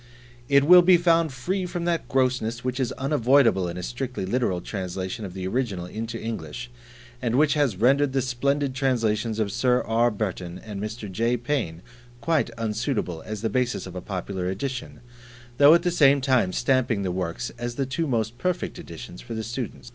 It will be found free from that grossness which is unavoidable in a strictly literal translation of the original into English; and which has rendered the splendid translations of Sir R. Burton and Mr. J. Payne quite unsuitable as the basis of a popular edition, though at the same time stamping the works as the two most perfect editions for the student.